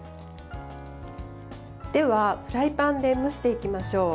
では、フライパンで蒸していきましょう。